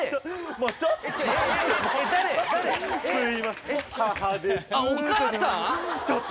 もうちょっと。